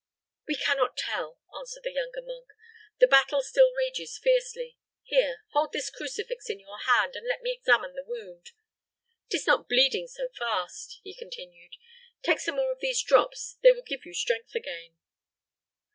"We can not tell," answered the younger monk. "The battle still rages fiercely. Here, hold this crucifix in your hand, and let me examine the wound. 'Tis not bleeding so fast," he continued. "Take some more of these drops; they will give you strength again."